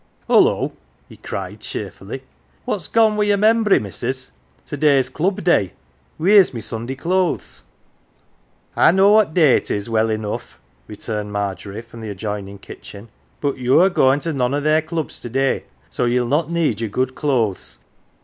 " Hullo !" he cried cheerfully, " what's gone wi 1 your membry, missus ? To day ""s Club day. Wheer's my Sunday clothes ?~ 123 "THE GILLY F'ERS" "I know what day it is well enough," returned Margery from the adjoining kitchen. "But you're going to none o' their clubs to <lay, so ye'll not need your good clothes.